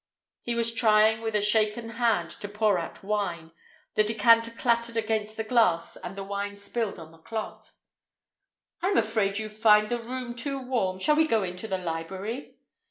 He was trying with a shaken hand to pour out wine. The decanter clattered against the glass and the wine spilled on the cloth. "I'm afraid you find the room too warm. Shall we go into the library?"